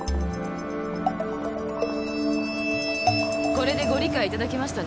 これでご理解いただけましたね？